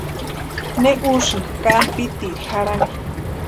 ¿Ne úsïni kámpitiri jarhani?